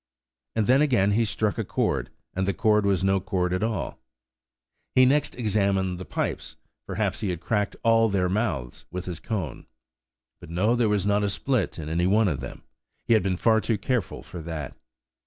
And then again he struck a chord, and the chord was no chord at all. He next examined the pipes: perhaps he had cracked all their mouths with his cone. But no, there was not a split in any one of them; he had been far too careful for that.